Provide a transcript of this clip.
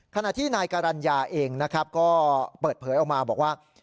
ขณะที่นายกรรณญาเองนะครับก็เปิดเผยออกมาบอกว่า